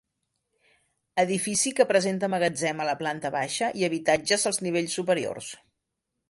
Edifici que presenta magatzem a la planta baixa i habitatges als nivells superiors.